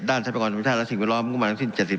ด้านทรัพยากรธรรมชาติและสิ่งแวดล้อมก็มาถึงเจ็ดสิบ